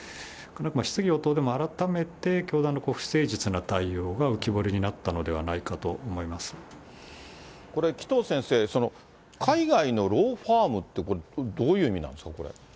質疑応答でも改めて教団の不誠実な対応が浮き彫りになったのではこれ、紀藤先生、海外のローファームって、どういう意味なんですか、これ。